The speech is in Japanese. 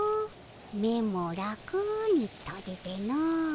目も楽にとじての。